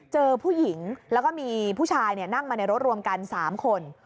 เจอผู้หญิงแล้วก็มีผู้ชายนั่งมาในรถรวมกัน๓คน